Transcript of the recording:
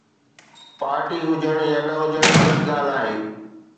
Party هجڻ يا نه هجڻ الڳ ڳالهه آهي.